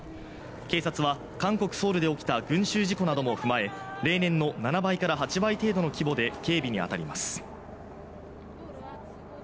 警察は韓国ソウルで起きた群集事故なども踏まえ、例年の７倍から８倍程度の規模で警備に当たります。